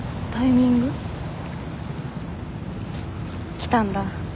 来たんだ。